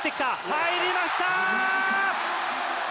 入りました！